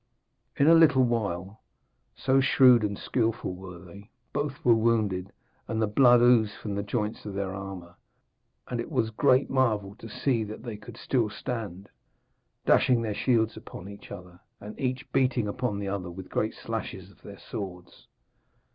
In a little while, so shrewd and skilful were they, both were wounded and the blood oozed from the joints of their armour, and it was great marvel to see that they could still stand, dashing their shields upon each other, and each beating upon the other with great slashes of their swords.